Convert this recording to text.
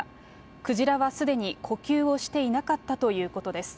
クジラはすでに呼吸をしていなかったということです。